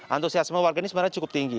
antusiasma warganya sebenarnya cukup tinggi